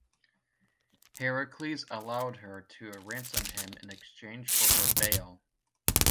Heracles allowed her to ransom him in exchange for her veil.